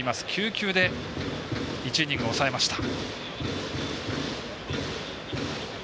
９球で１イニング抑えました。